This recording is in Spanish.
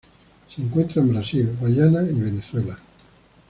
Se encuentra en Brasil, Guayana y Venezuela.